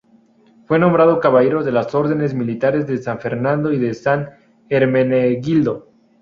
Fue nombrado caballero de las órdenes militares de San Fernando y de San Hermenegildo.